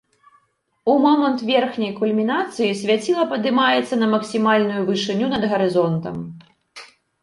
У момант верхняй кульмінацыі свяціла падымаецца на максімальную вышыню над гарызонтам.